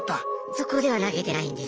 そこでは投げてないんです。